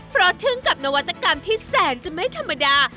เพราะทึ่งกับนวัตกรรมที่แสนจะไม่ธรรมดา